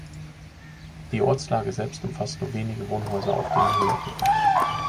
Die Ortslage selbst umfasst nur wenige Wohnhäuser auf dem Höhenrücken.